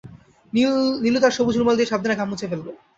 নীলু তার সবুজ রুমাল দিয়ে সাবধানে ঘাম মুছে ফেলল।